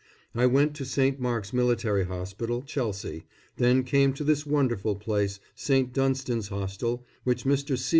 I went to St. Mark's Military Hospital, Chelsea, then came to this wonderful place, St. Dunstan's Hostel, which Mr. C.